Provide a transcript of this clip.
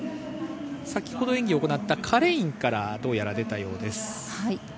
先ほど演技行ったカレインからどうやら出たようです。